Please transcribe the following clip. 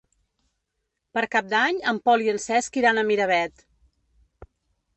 Per Cap d'Any en Pol i en Cesc iran a Miravet.